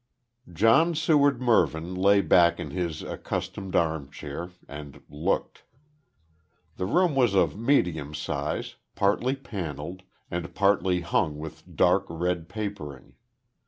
John Seward Mervyn lay back in his accustomed armchair, and looked. The room was of medium size, partly panelled, and partly hung with dark red papering.